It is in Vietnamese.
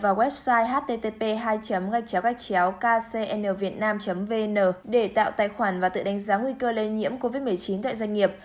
vào website http kcnvietnam vn để tạo tài khoản và tự đánh giá nguy cơ lây nhiễm covid một mươi chín tại doanh nghiệp